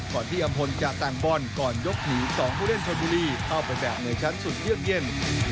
ก่อนที่อำพลจะแต่งบอลก่อนยกหนี๒ผู้เล่นชนบุรีเข้าไปแบบในชั้นสุดเยือกเย็น